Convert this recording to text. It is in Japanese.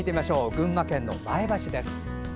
群馬県の前橋です。